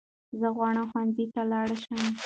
زه غواړم ښونځي ته لاړشم